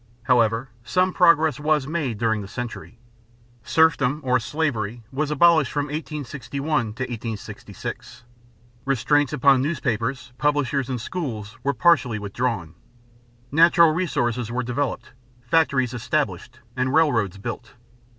However, some progress was made during the century. Serfdom or slavery was abolished from 1861 to 1866; restraints upon newspapers, publishers, and schools were partly withdrawn. Natural resources were developed, factories established, and railroads built.